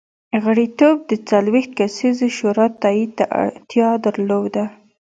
غړیتوب د څلوېښت کسیزې شورا تایید ته اړتیا درلوده.